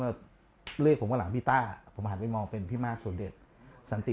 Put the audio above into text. มาเรียกผมว่าหลังพี่ต้าผมหันไปมองเป็นพี่มากส่วนเล็กสันติ